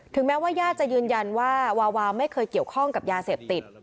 แม้ว่าญาติจะยืนยันว่าวาวาไม่เคยเกี่ยวข้องกับยาเสพติด